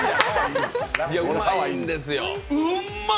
いや、うまいんですよ。